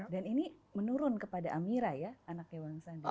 dan ini menurun kepada amira ya anaknya orang sandi